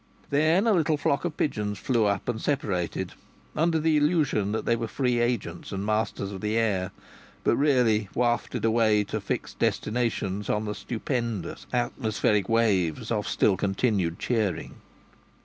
Then a little flock of pigeons flew up and separated, under the illusion that they were free agents and masters of the air, but really wafted away to fixed destinations on the stupendous atmospheric waves of still continued cheering.